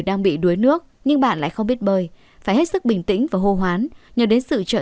đang bị đuối nước nhưng bạn lại không biết bơi phải hết sức bình tĩnh và hô hoán nhờ đến sự trợ